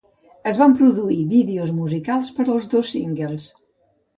Es van produir vídeos musicals per als dos singles.